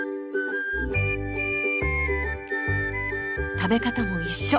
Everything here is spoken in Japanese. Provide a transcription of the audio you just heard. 食べ方も一緒。